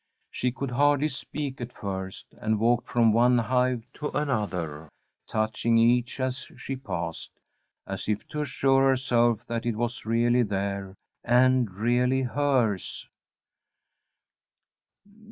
She could hardly speak at first, and walked from one hive to another, touching each as she passed, as if to assure herself that it was really there, and really hers.